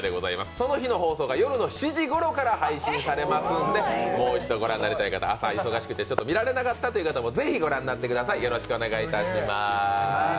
その日の放送が夜の７時ごろから配信されますので、もう１度御覧になりたい方朝、忙しくて見られなかった方もぜひ見てください。